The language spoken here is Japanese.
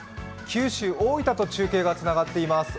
九州大分と中継がつながっています。